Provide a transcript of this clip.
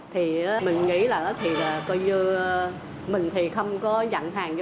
thì mình nghĩ là có như mình thì không có nhận hàng